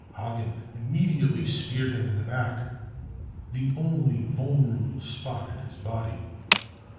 Hagen immediately speared him in the back, the only vulnerable spot in his body.